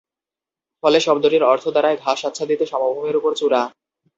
ফলে শব্দটির অর্থ দাঁড়ায় ঘাস আচ্ছাদিত সমভূমির উপর চূড়া।